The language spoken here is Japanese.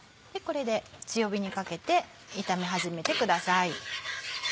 これで強火にかけて炒め始めてください。